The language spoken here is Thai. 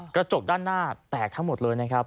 กระจกด้านหน้าแตกทั้งหมดเลยนะครับ